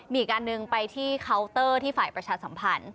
มีอีกอันหนึ่งไปที่เคาน์เตอร์ที่ฝ่ายประชาสัมพันธ์